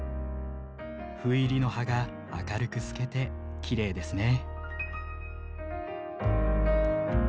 斑入りの葉が明るく透けてきれいですね。